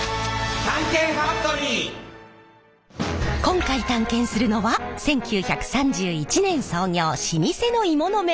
今回探検するのは１９３１年創業老舗の鋳物メーカー。